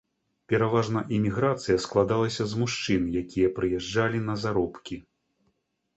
Пераважна іміграцыя складалася з мужчын, якія прыязджалі на заробкі.